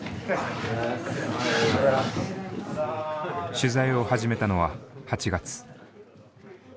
取材を始めたのは８月。